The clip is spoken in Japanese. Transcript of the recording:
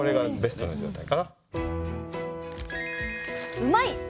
うまいッ！